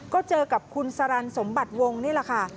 ก็เจอกับคุณสรรสมบัติวงนี่แหละค่ะ